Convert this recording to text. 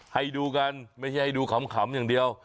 ให้ดูกันไม่ใช่ให้ดูขำอย่างเดียว